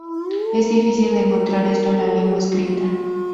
Es difícil de encontrar esto en la lengua escrita.